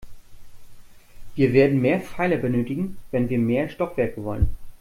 Wir werden mehr Pfeiler benötigen, wenn wir mehr Stockwerke wollen.